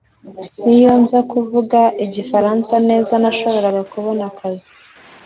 Iyo nza kuvuga igifaransa neza nashoboraga kubona ako kazi